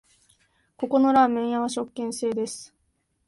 ここのラーメン屋は食券制です